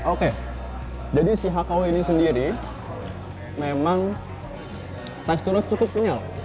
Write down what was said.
oke jadi si hakau ini sendiri memang teksturnya cukup kenyal